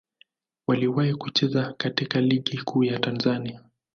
Waliwahi kucheza katika Ligi Kuu ya Tanzania.